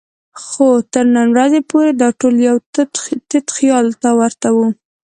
خو تر نن ورځې پورې دا ټول یو تت خیال ته ورته وو.